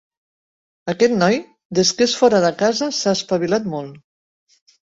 Aquest noi, des que és fora de casa, s'ha espavilat molt.